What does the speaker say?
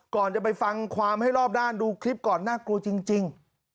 ก่อนจะไปฟังความให้รอบด้านดูคลิปก่อนน่ากลัวจริง